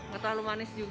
gak terlalu manis juga